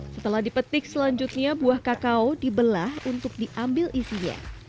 setelah dipetik selanjutnya buah kakao dibelah untuk diambil isinya